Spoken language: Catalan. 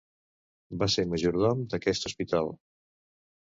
Va ser majordom d'aquest hospital.